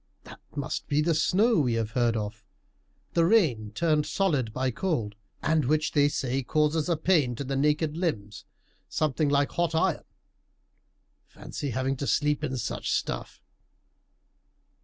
That must be the snow we have heard of the rain turned solid by cold, and which they say causes a pain to the naked limbs something like hot iron. Fancy having to sleep in such stuff!"